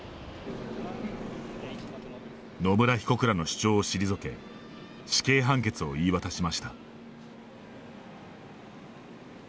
野村被告らの主張を退け死刑判決を言い渡しました。